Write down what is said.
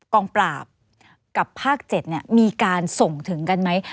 กองปราบกับภาค๗มีการส่งถึงกันไหม